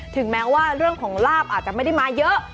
ถึงแม้ว่าเรื่องของลาบอาจจะไม่ได้มาเยอะ